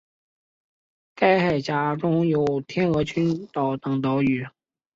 该海峡中有天鹅群岛等岛屿。